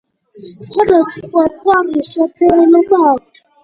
სხვადასხვაგვარი შეფერილობა აქვთ.